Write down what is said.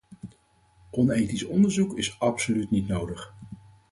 Onethisch onderzoek is absoluut niet nodig...